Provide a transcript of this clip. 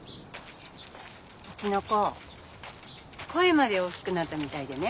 うちの子声まで大きくなったみたいでね。